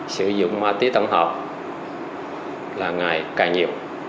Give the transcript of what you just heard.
sử dụng ma túy tổng hợp là ngày càng nhiều